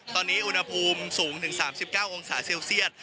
ตอนนี้อุณหภูมิสูงถึง๓๙องศาเซลเซียต